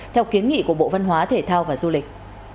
theo kiến nghị của bộ văn hóa thể thao và du lịch